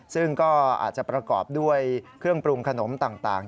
ซึ่งก็อาจจะประกอบด้วยเครื่องปรุงขนมต่าง